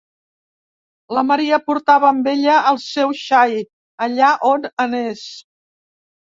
La Maria portava amb ella el seu xai, allà on anés.